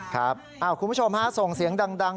คุณผู้ชมฮะส่งเสียงดัง